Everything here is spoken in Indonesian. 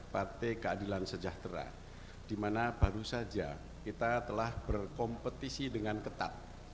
partai keadilan sejahtera di mana baru saja kita telah berkompetisi dengan ketat